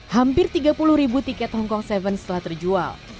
hampir tiga puluh ribu tiket hongkong sevens telah terjual